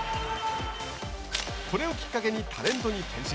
これをきっかけにタレントに転身。